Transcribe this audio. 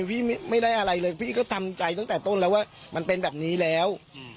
พี่ไม่ได้อะไรเลยพี่ก็ทำใจตั้งแต่ต้นแล้วว่ามันเป็นแบบนี้แล้ว